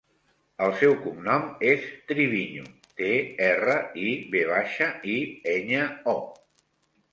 El seu cognom és Triviño: te, erra, i, ve baixa, i, enya, o.